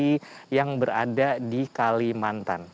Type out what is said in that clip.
provinsi yang berada di kalimantan